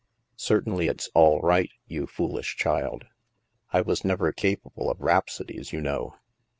Certainly it's ' all right,' you foolish child. I was never capable pf rhapsodies, you know.